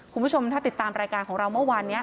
คุณผู้ชมถ้าติดตามรายการของเราเมื่อวานนี้